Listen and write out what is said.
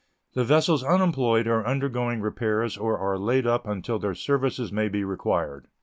The vessels unemployed are undergoing repairs or are laid up until their services may be required.